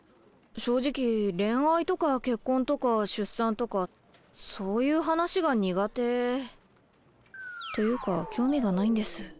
正直恋愛とか結婚とか出産とかそういう話が苦手というか興味がないんです。